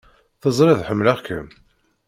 Teẓriḍ ḥemmleɣ-kem!